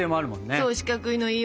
そう四角いのいいわ。